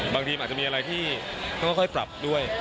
บางทีอาจจะมีอะไรที่ค่อยปรับด้วย